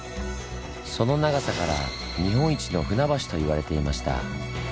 その長さから「日本一の船橋」と言われていました。